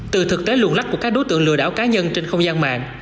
từ thực tế luồn lách của các đối tượng lừa đảo cá nhân trên không gian mạng